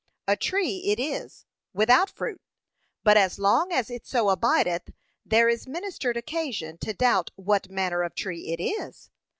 A tree it is, without fruit, but as long as it so abideth, there is ministered occasion to doubt what manner of tree it is.